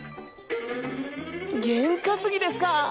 ゲン担ぎですか。